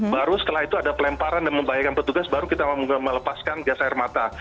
baru setelah itu ada pelemparan dan membahayakan petugas baru kita melepaskan gas air mata